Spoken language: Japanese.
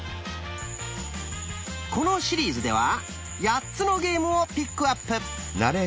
このシリーズでは８つのゲームをピックアップ。